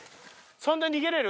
そんで逃げれる？